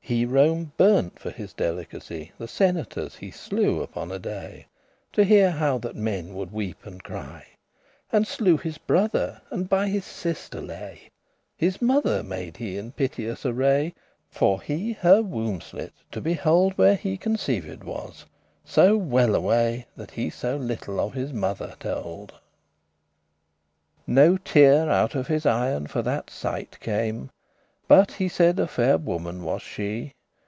He Rome burnt for his delicacy;* *pleasure The senators he slew upon a day, To heare how that men would weep and cry; And slew his brother, and by his sister lay. His mother made he in piteous array; For he her wombe slitte, to behold Where he conceived was; so well away! That he so little of his mother told.* *valued No tear out of his eyen for that sight Came; but he said, a fair woman was she.